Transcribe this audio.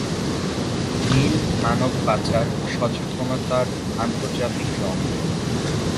নীল মানব পাচার সচেতনতার আন্তর্জাতিক রঙ।